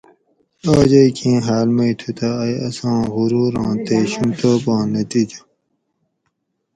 آج ائ کیں حاۤل مئ تھُو تہ ائ اساں غروراں تے شُوم توپاں نتیجہ